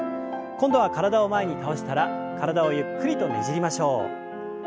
今度は体を前に倒したら体をゆっくりとねじりましょう。